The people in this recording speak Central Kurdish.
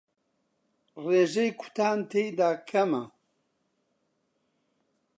ڕێژەی کوتان تێیدا کەمە